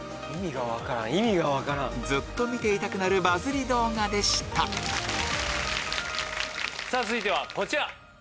ずっと見ていたくなるバズり動画でした続いてはこちら。